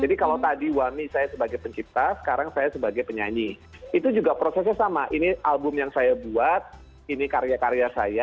jadi kalau tadi wami saya sebagai pencipta sekarang saya sebagai penyanyi itu juga prosesnya sama ini album yang saya buat ini karya karya saya